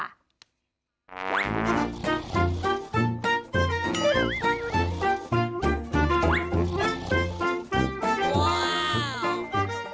ว้าว